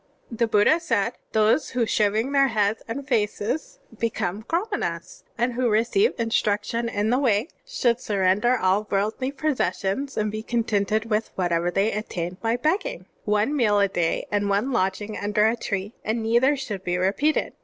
*' (3) The Buddha said: "Those who shaving their heads and faces become Qramanas and who receive instruction in the Way, should sturender all worldly possessions and be contented with whatever they obtain by begging.' One meal a day and one lodging under a tree, and neither should be repeated.